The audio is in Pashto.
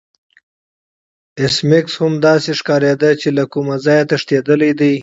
ایس میکس هم داسې ښکاریده چې له کوم ځای تښتیدلی دی